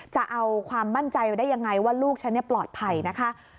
จะเอาความมั่นใจไปได้ยังไงว่าลูกฉันปลอดภัยนะคะ